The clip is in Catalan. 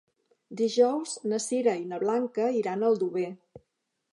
Dijous na Sira i na Blanca iran a Aldover.